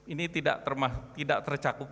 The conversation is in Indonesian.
ini tidak tercakup